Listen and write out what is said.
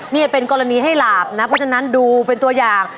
นี่เป็นกรณีให้หลาบนะเพราะฉะนั้นดูเป็นตัวอย่าง